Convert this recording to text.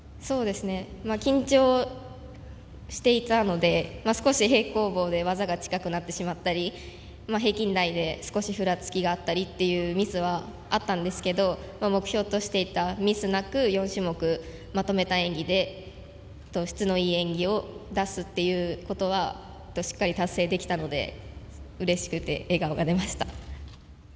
緊張していたので少し平行棒で技が近くなってしまったり平均台で少しふらつきあったりというミスはあったんですけど目標としていたミスなく４種目まとめた演技で質のいい演技を出すということはしっかり達成できたのでうれしくて笑顔が出ました。